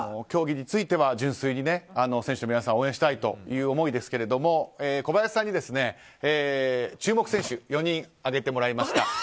競技については純粋に選手の皆さんを応援したいという思いですけれども、小林さんに注目選手４人挙げてもらいました。